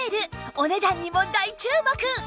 お値段にも大注目！